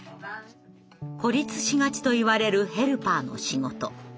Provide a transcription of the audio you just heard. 「孤立しがち」といわれるヘルパーの仕事。